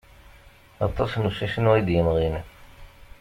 Aṭas n usisnu i d-yemɣin.